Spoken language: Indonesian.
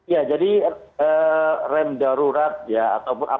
ya jadi rem darurat ya ataupun apa